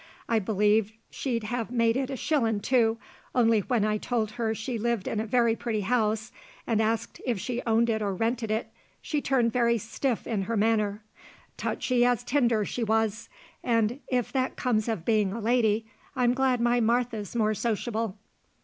I believe she'd have made it a shillin', too, only when I told her she lived in a very pretty house, and asked if she owned it or rented it, she turned very stiff in her manner. Touchy as tinder she was; and if that comes of being a lady, I'm glad my Martha's more sociable."